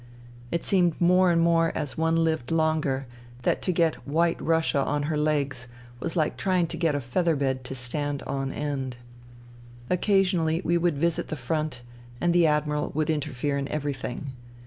It seemed more and more as one lived longer that to get White Russia on her legs was like trying to get a feather bed to stand on end. Occasionally we would visit the front, and the Admiral would interfere in everything.